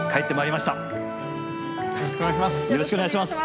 よろしくお願いします。